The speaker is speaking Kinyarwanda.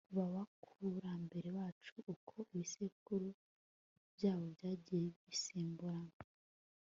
ba bakurambere bacu uko ibisekuru byabo byagiye bisimburana